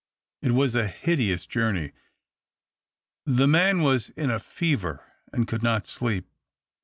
It was a hideous journey. The man was in a fever, and could not sleep.